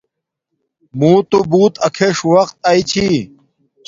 موتو بوت اکیݽ وقت اݵ چھی